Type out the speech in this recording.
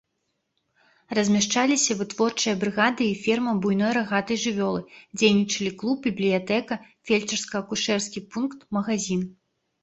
Размяшчаліся вытворчая брыгада і ферма буйной рагатай жывёлы, дзейнічалі клуб, бібліятэка, фельчарска-акушэрскі пункт, магазін.